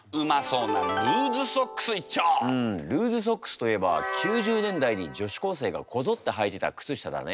うんルーズソックスといえば９０年代に女子高生がこぞってはいてた靴下だね。